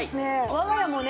我が家もね